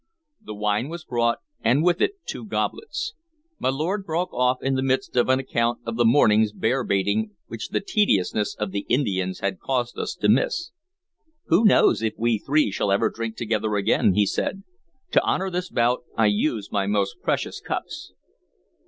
The wine was brought, and with it two goblets. My lord broke off in the midst of an account of the morning's bear baiting which the tediousness of the Indians had caused us to miss. "Who knows if we three shall ever drink together again?" he said. "To honor this bout I use my most precious cups."